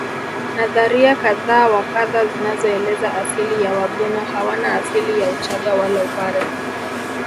Nadharia kadha wa kadha zinazoeleza asili ya Wagweno hawana asili ya Uchaga wala Upare